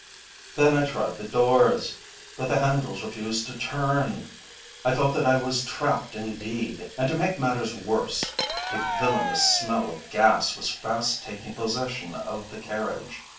Then I tried the doors, but the handles refused to turn. I felt that I was trapped indeed, and to make matters worse, a villainous smell of gas was fast taking possession of the carriage.